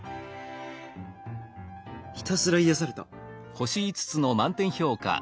「ひたすら癒された！」。